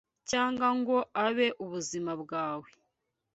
cyangwa ngo abeho ubuzima bwawe